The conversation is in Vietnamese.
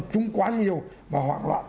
cũng quá nhiều và hoạn loạn